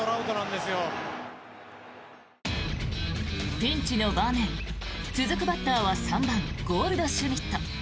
ピンチの場面、続くバッターは３番、ゴールドシュミット。